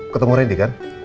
ketemu randy kan